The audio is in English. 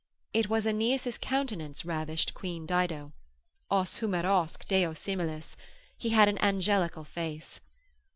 It was Aeneas's countenance ravished Queen Dido, Os humerosque Deo similis, he had an angelical face.